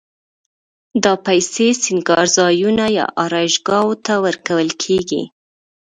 دا پیسې سینګارځایونو یا آرایشګاوو ته ورکول کېږي